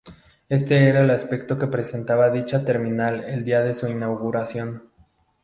Este era el aspecto que presentaba dicha terminal el día de su inauguración.